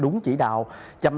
luôn thân nhã em